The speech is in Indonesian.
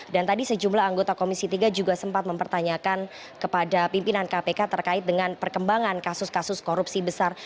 dan tadi sejumlah anggota komisi tiga juga sempat mempertanyakan kepada pimpinan kpk terkait dengan perkembangan kasus kasus korupsi besar